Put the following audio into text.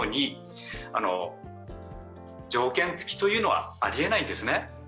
条件付きというのはあり得ないですね。